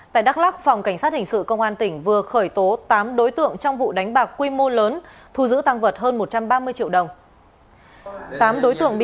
tại đắk lắc phòng cảnh sát hình sự công an tỉnh vừa khởi tố tám đối tượng trong vụ đánh bạc quy mô lớn thu giữ tăng vật hơn một trăm ba mươi triệu đồng